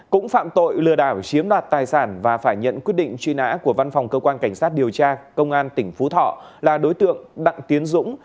cũng phạm tội lừa đảo chiếm đoạt tài sản và phải nhận quyết định truy nã của văn phòng cơ quan cảnh sát điều tra công an tỉnh phú thọ là đối tượng đặng tiến dũng